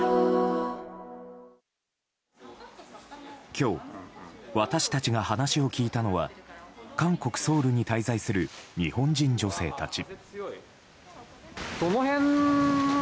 今日、私たちが話を聞いたのは韓国ソウルに滞在する日本人女性たち。